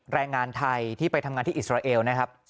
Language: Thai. แรงงานไทยที่ไปทำงานที่อิสราเอลนะครับ